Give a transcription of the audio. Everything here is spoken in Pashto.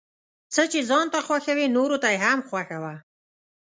څه چې ځان ته خوښوې نوروته يې هم خوښوه ،